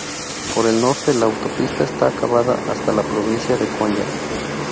Por el norte, la autopista está acabada hasta la provincia de Konya.